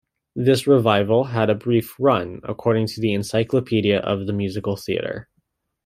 This revival had a "brief run", according to the "Encyclopedia of the Musical Theatre".